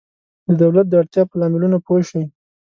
د دولت د اړتیا په لاملونو پوه شئ.